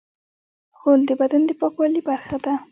غول د بدن د پاکوالي برخه ده.